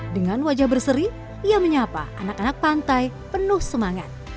dengan wajah berseri ia menyapa anak anak pantai penuh semangat